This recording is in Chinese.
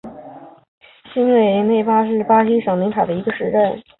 新韦内扎是巴西圣卡塔琳娜州的一个市镇。